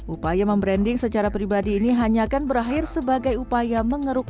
upaya membranding secara pribadi ini hanya akan berakhir sebagai upaya mengeruk